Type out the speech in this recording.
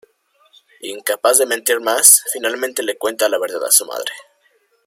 Incapaz de mentir más, finalmente le cuenta la verdad a su madre.